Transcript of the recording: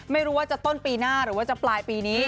ไม่รู้ว่าจะต้นปีหน้าหรือว่าจะปลายปีนี้